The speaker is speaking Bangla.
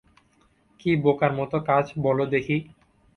কি বোকার মত কাজ বলো দেখি!